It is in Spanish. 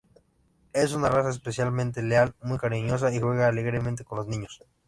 Es una raza especialmente leal, muy cariñosa y juega alegremente con los niños.